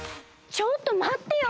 ちょっとまってよ